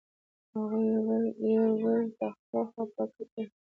هغوی یو بل ته خپه خپه کتل.